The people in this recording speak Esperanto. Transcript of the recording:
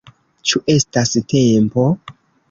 Ĉu estas tempo?